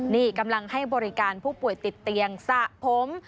นี่กำลังให้บริการผู้ป่วยติดเตียงสระผม